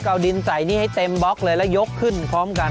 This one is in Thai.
เอาดินใส่นี่ให้เต็มบล็อกเลยแล้วยกขึ้นพร้อมกัน